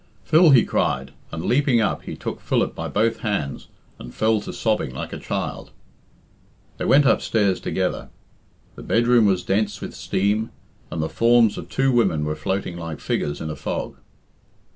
"Phil!" he cried, and leaping up he took Philip by both hands and fell to sobbing like a child. They went upstairs together. The bedroom was dense with steam, and the forms of two women were floating like figures in a fog.